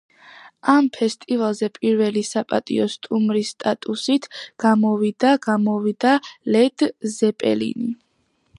ამ ფესტივალზე პირველი საპატიო სტუმრის სტატუსით გამოვიდა გამოვიდა ლედ ზეპელინი.